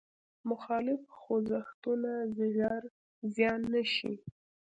مخالف خوځښتونه ژر زیان نه شي.